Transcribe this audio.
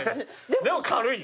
でも軽い。